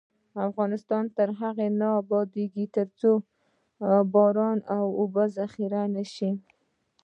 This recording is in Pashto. افغانستان تر هغو نه ابادیږي، ترڅو باران اوبه ذخیره نشي.